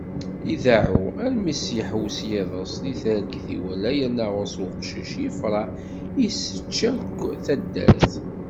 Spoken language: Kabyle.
Ideεεu, armi t-yeḥwes yiḍes di targit iwala yerna γur-s uqcic, yefreḥ, isečč yakk taddart.